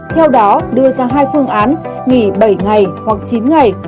theo đó đưa ra hai phương án nghỉ bảy ngày hoặc chín ngày